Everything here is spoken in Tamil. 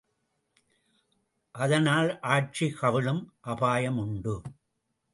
அதனால் ஆட்சி கவிழும் அபாயம் உண்டு!